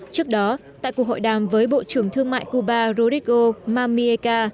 trước đó tại cuộc hội đàm với bộ trưởng thương mại cuba rodrigo mamieka